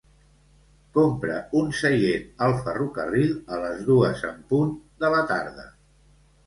Compra un seient al ferrocarril a les dues en punt de la tarda.